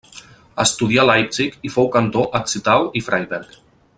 Estudià Leipzig i fou cantor a Zittau i Freiberg.